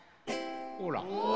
ほら。